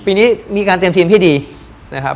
ปีนี้มีการเตรียมทีมพี่ดี